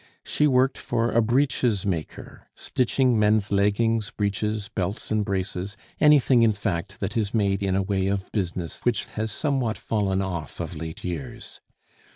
She worked for a breeches maker, stitching men's leggings, breeches, belts, and braces, anything, in fact, that is made in a way of business which has somewhat fallen off of late years.